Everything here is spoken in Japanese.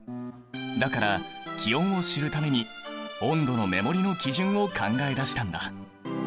だから気温を知るために温度の目盛りの基準を考えだしたんだ！